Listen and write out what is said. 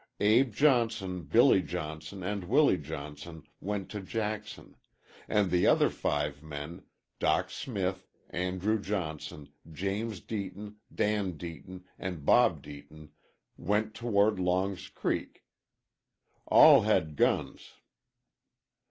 Abe Johnson, Billie Johnson and Willie Johnson went to Jackson; and the other five men, Dock Smith, Andrew Johnson, James Deaton, Dan Deaton and Bob Deaton, went toward Long's Creek. All had guns.